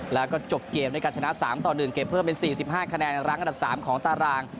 แล้วก็จบเกมด้วยการชนะ๓ต่อ๑เก็บเพิ่มเป็น๔๕คะแนนรั้งอันดับ๓ของตาราง